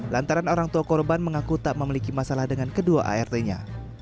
lantaran orang tua korban mengaku tak memiliki masalah dengan kedua art nya